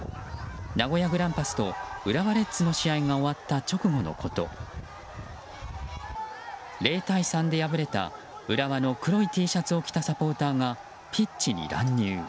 名古屋グランパスと浦和レッズの試合が終わった直後のこと０対３で敗れた浦和の黒いＴシャツを着たサポーターが、ピッチに乱入。